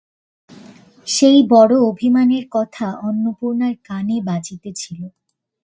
সেই বড়ো অভিমানের কথা অন্নপূর্ণার কানে বাজিতেছিল।